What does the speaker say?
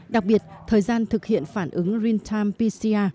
đặc biệt thời gian thực hiện phản ứng realtime pcr